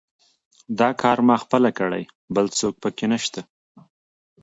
دا کار ما پخپله کړی، بل څوک پکې نشته.